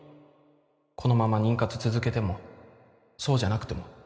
このまま妊活続けてもそうじゃなくても